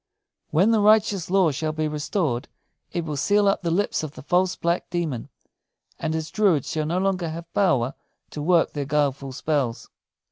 When the righteous law shall be restored, it will seal up the lips of the false black demon; and his druids shall no longer have power to work their guileful spells."